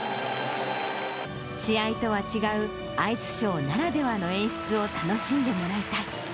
試合とは違う、アイスショーならではの演出を楽しんでもらいたい。